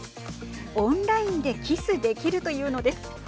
オンラインでキスできるというのです。